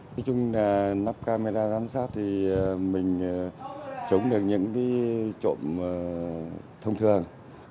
nói chung là nắp camera giám sát thì mình chống được những trộm thông thường